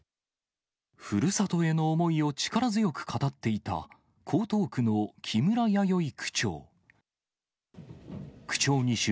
ふるさとへの思いを力強く語っていた江東区の木村弥生区長。